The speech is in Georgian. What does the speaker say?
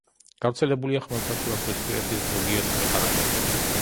გავრცელებულია ხმელთაშუაზღვისპირეთის ზოგიერთ ქვეყანაში.